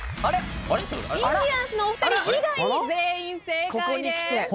インディアンスのお二人以外全員正解です。